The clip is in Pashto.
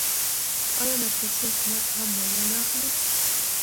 آیا مرکزي حکومت هم مالیه نه اخلي؟